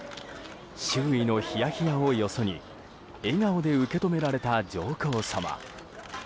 周囲のひやひやをよそに笑顔で受け止められた上皇さま。